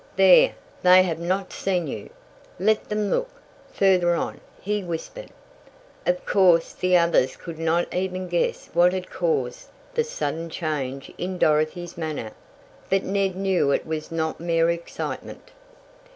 "There, they have not seen you! Let them look further on!" he whispered. Of course the others could not even guess what had caused the sudden change in Dorothy's manner, but Ned knew it was not mere excitement.